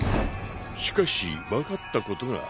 しかし分かったことがある。